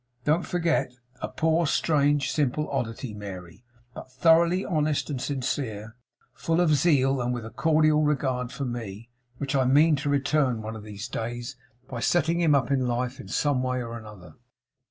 Don't forget; a poor, strange, simple oddity, Mary; but thoroughly honest and sincere; full of zeal; and with a cordial regard for me. Which I mean to return one of these days, by setting him up in life in some way or other.